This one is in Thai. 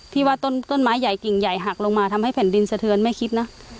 ว่าต้นไม้ใหญ่กิ่งใหญ่หักลงมาทำให้แผ่นดินสะเทือนไม่คิดนะ